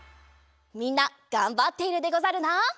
みんながんばっているでござるな。